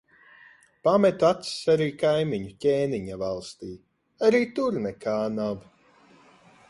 Pametu acis arī kaimiņu ķēniņa valstī. Arī tur nekā nav.